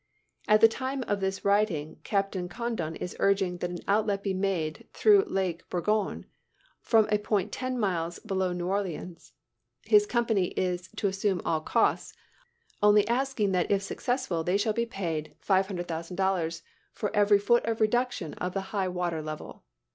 At the time of this writing Captain Condon is urging that an outlet be made through Lake Borgne, from a point ten miles below New Orleans. His company is to assume all costs, only asking that if successful, they shall be paid $500,000 for every foot of reduction of the high water level.